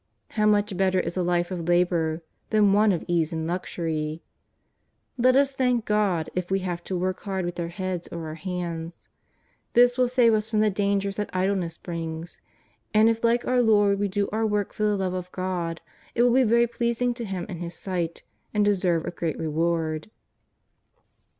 How much better is a life of labour than one of ease and luxury ! Let us thank God if we have to work hard with our heads or our hands. This will save us from the dangers that idleness brings ; and if like our Lord we do our work for the love of God, it will be very pleasing in His sight and deserve a great reward.